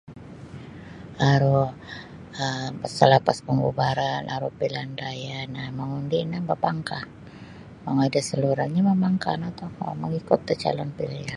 Aru um salapas pambubaran aru pilhan raya no mangundi no bapangkah mongoi da saluran mamangkah no tokou mangikut da calon pilihan.